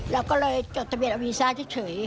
เราก็เลยจดทะเบียนเอาวีซ่าเฉย